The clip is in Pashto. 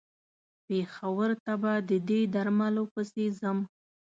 پېښور ته به د دې درملو پسې ځم.